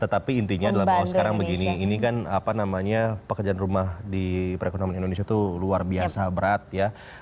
tetapi intinya adalah bahwa sekarang begini ini kan apa namanya pekerjaan rumah di perekonomian indonesia itu luar biasa berat ya